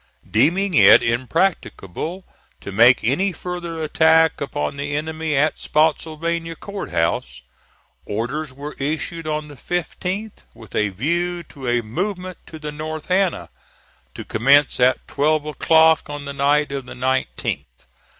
Deeming it impracticable to make any further attack upon the enemy at Spottsylvania Court House, orders were issued on the 15th with a view to a movement to the North Anna, to commence at twelve o'clock on the night of the 19th.